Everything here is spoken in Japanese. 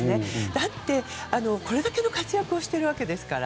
だって、これだけの活躍をしているわけですから。